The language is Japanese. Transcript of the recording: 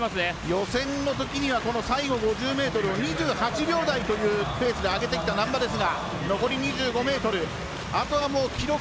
予選のときには最後５０ｍを２８秒台というペースで上げてきた難波です。